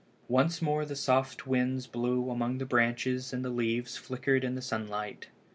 Once more the soft winds blew among the branches and the leaves flickered in the sunlight.